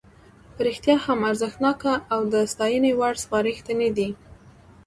په رښتیا هم ارزښتناکه او د ستاینې وړ سپارښتنې دي.